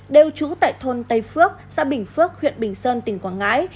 đều trú tại thôn tây phước xã bình phước huyện bình sơn tỉnh quảng ngãi